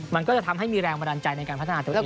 มันก็จะทำให้มีแรงบันดาลใจในการพัฒนาตัวเอง